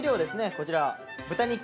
こちら豚肉。